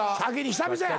久々や。